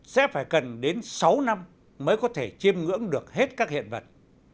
sẽ phải cần đến sáu năm mới có thể chiêm ngưỡng được hết các hiện vật